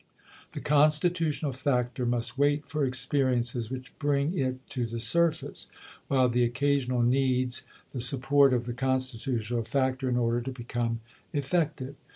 The constitutional factor must wait for experiences which bring it to the surface, while the occasional needs the support of the constitutional factor in order to become effective.